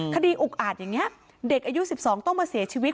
อุกอาจอย่างนี้เด็กอายุ๑๒ต้องมาเสียชีวิต